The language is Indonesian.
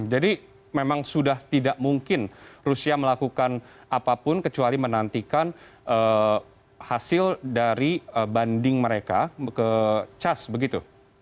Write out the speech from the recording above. jadi memang sudah tidak mungkin rusia melakukan apapun kecuali menantikan hasil dari banding mereka ke caz begitu